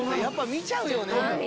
見ちゃうよね。